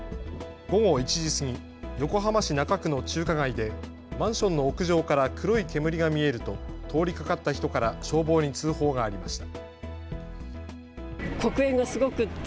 午後１時過ぎ、横浜市中区の中華街でマンションの屋上から黒い煙が見えると通りかかった人から消防に通報がありました。